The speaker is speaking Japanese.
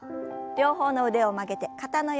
両方の腕を曲げて肩の横へ。